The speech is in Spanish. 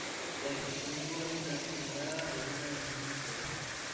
La expresión dual generada es una de la misma forma.